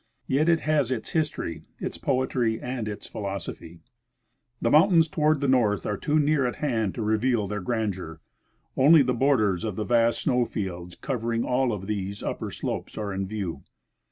Yet it has its history, its poetry, and its philosophy ! The mountains toward the north are too near at hand to reveal their grandeur ; only the borders of the vast snow fields cover ing all of these upper slopes are in view.